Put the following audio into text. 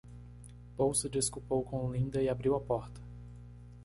Paul se desculpou com Linda e abriu a porta.